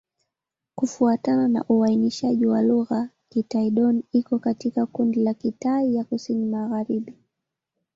Kufuatana na uainishaji wa lugha, Kitai-Dón iko katika kundi la Kitai ya Kusini-Magharibi.